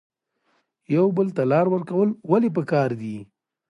یو بل ته لار ورکول ولې پکار دي؟